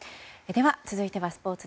では続いてはスポーツ。